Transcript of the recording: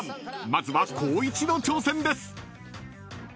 まずは光一の挑戦です］